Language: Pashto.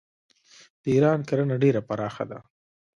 د ایران کرنه ډیره پراخه ده.